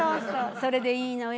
それでいいのよ。